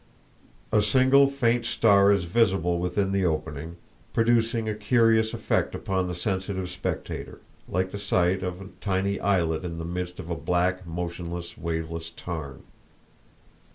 A single faint star is visible within the opening, producing a curious effect upon the sensitive spectator, like the sight of a tiny islet in the midst of a black, motionless, waveless tarn.